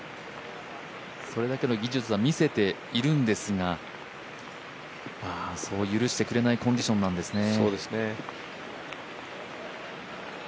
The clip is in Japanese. それだけの技術は見せているんですが、そう許してくれないコンディションなんですね。